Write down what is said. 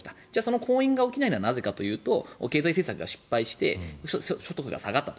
婚姻ができないのはなぜかというと経済政策が失敗して所得が下がったと。